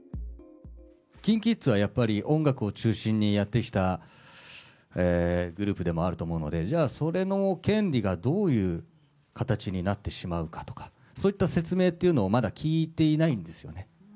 ＫｉｎＫｉＫｉｄｓはやっぱり、音楽を中心にやってきたグループでもあると思うので、じゃあ、それの権利がどういう形になってしまうかとか、そういった説明っていうのをまだ聞いていないんですよね。